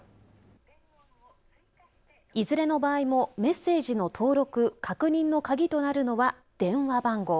いずれの場合もメッセージの登録・確認の鍵となるのは電話番号。